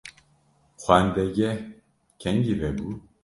Xwendegeh kengî vebû?